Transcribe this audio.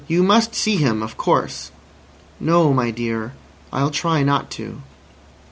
You must see him, of course." "No, my dear. I'll try not to."